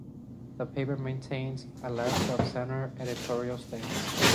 The paper maintains a left of center editorial stance.